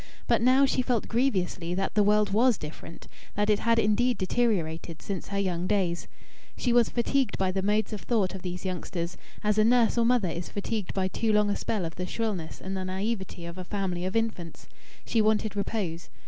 But now she felt grievously that the world was different that it had indeed deteriorated since her young days. She was fatigued by the modes of thought of these youngsters, as a nurse or mother is fatigued by too long a spell of the shrillness and the naïveté of a family of infants. She wanted repose....